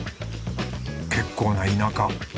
結構な田舎。